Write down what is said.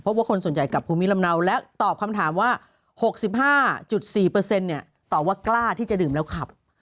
เพราะว่าคนส่วนใหญ่กลับภูมิลำเนาและตอบคำถามว่า๖๕๔ตอบว่ากล้าที่จะดื่มแล้วขับ